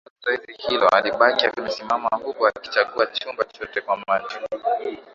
Alipomaliza zoezi hilo alibaki amesimama huku akikagua chumba chote kwa macho